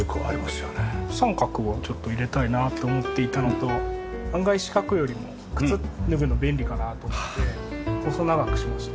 三角をちょっと入れたいなと思っていたのと案外四角よりも靴脱ぐの便利かなと思って細長くしました。